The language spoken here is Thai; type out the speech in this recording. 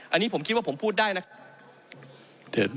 อันนี้ผมคิดว่าผมพูดได้นะครับ